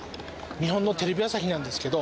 日本のテレビ朝日なんですけど。